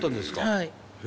はい。